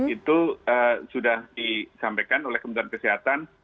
itu sudah disampaikan oleh kementerian kesehatan